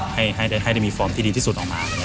ให้ได้มีฟอร์มที่ดีที่สุดออกมา